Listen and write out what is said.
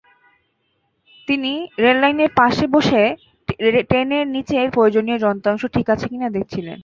তিনি রেললাইনের পাশে বসে ট্রেনের নিচের প্রয়োজনীয় যন্ত্রাংশ ঠিক আছে কিনা দেখছিলেন।